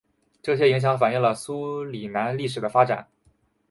这些影响反映了苏里南历史的发展。